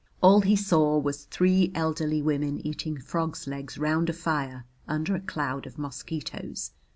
All he saw was three elderly women eating frogs' legs round a fire under a cloud of mosquitoes.